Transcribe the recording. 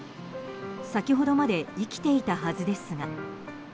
先ほどまで生きていたはずですが。